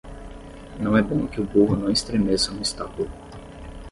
Não é bom que o burro não estremeça no estábulo.